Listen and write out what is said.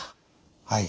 はい。